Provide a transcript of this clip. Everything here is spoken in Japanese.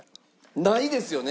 ないですよね？